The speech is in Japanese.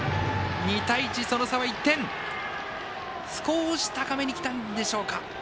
２対１その差は１点少し高めにきたんでしょうか。